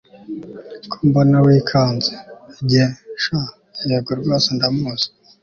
ko mbona wikanze!? njye sha yego rwose ndamuzi